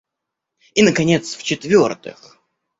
И, наконец, в-четвертых.